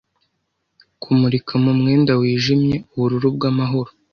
Kumurika mu mwenda wijimye, ubururu bwamahoro